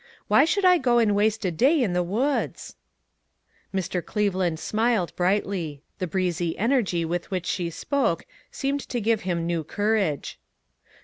Why should I go and waste a day in the woods?" Mr. Cleveland smiled brightly; the breezy energy with which she spoke seemed to give him new courage.